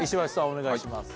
お願いします。